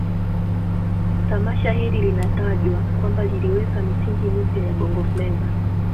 Tamasha hili linatajwa kwamba liliweka misingi mipya ya Bongo Fleva